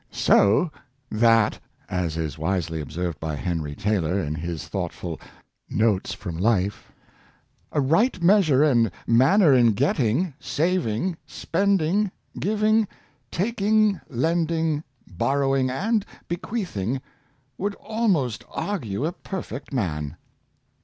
'' So that," as is wisely observed by Henry Taylor, in his thoughtful ' Notes from Life,' " a right measure and manner in getting, saving, spend ing, giving, taking, lending, borrowing, and bequeath ing, would almost argue a perfect man."